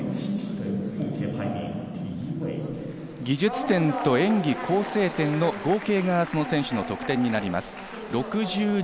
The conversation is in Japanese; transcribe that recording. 技術点と演技構成点の合計がその選手の得点になります。